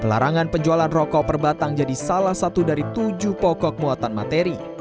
pelarangan penjualan rokok perbatang jadi salah satu dari tujuh pokok muatan materi